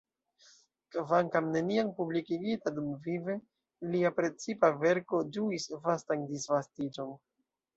Kvankam neniam publikigita dumvive, lia precipa verko ĝuis vastan disvastiĝon.